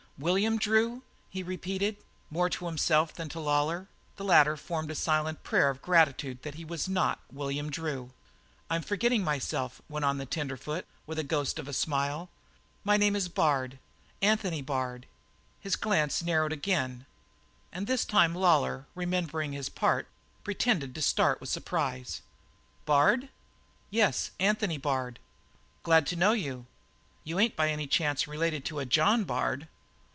"William Drew!" he repeated, more to himself than to Lawlor, and the latter formed a silent prayer of gratitude that he was not William Drew. "I'm forgetting myself," went on the tenderfoot, with a ghost of a smile. "My name is Bard Anthony Bard." His glance narrowed again, and this time Lawlor, remembering his part, pretended to start with surprise. "Bard?" "Yes. Anthony Bard." "Glad to know you. You ain't by any chance related to a John Bard?"